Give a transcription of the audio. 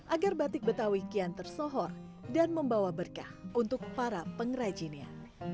agar batik betawi kian tersohor dan membawa berkah untuk para pengrajinnya